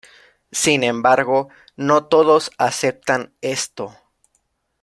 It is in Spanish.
Sin embargo, no todos aceptan esto.